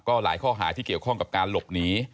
หลายข้อหาที่เกี่ยวข้องกับการหลบหนี